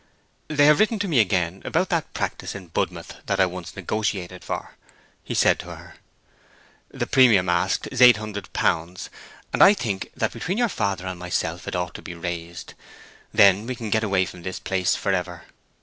"They have written to me again about that practice in Budmouth that I once negotiated for," he said to her. "The premium asked is eight hundred pounds, and I think that between your father and myself it ought to be raised. Then we can get away from this place forever."